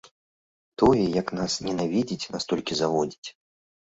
Тое, як нас ненавідзяць, нас толькі заводзіць.